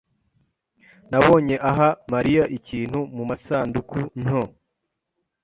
Nabonye aha Mariya ikintu mumasanduku nto.